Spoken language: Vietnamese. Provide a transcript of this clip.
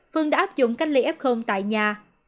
phường đã áp dụng cách lý f tại nhà